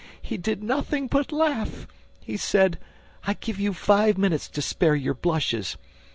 ... He did nothing but laugh! ... He said, 'I give you five minutes to spare your blushes!